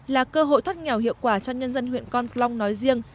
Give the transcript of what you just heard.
là cơ hội thắt nghèo hiệu quả cho nhân dân huyện con long nói riêng